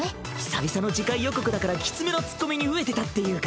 久々の次回予告だからきつめのツッコミに飢えてたっていうか。